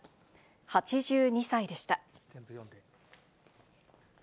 ８２歳でした。